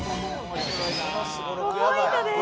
５ポイントです。